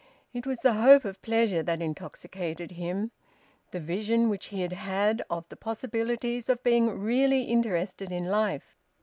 It was the hope of pleasure that intoxicated him, the vision which he had had of the possibilities of being really interested in life.